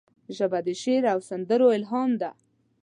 ژبه د شعر او سندرو الهام ده